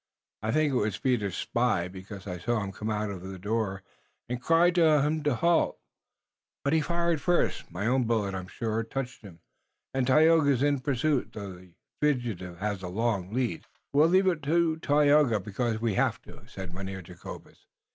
I think it was Peter's spy because I saw him come out of the house, and cried to him to halt, but he fired first. My own bullet, I'm sure, touched him, and Tayoga is in pursuit, though the fugitive has a long lead." "We'll leave it to Tayoga, because we haf to," said Mynheer Jacobus.